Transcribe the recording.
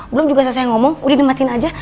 belum juga saya ngomong udah dimatiin aja